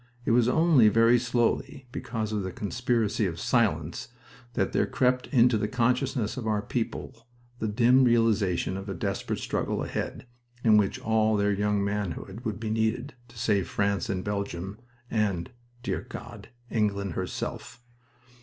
It was only very slowly because of the conspiracy of silence that there crept into the consciousness of our people the dim realization of a desperate struggle ahead, in which all their young manhood would be needed to save France and Belgium, and dear God! England herself.